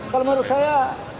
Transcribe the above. kalau menurut saya